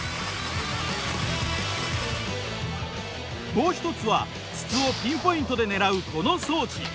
もう一つは筒をピンポイントで狙うこの装置。